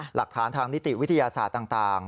หลักฐานทางนิติวิทยาศาสตร์ต่าง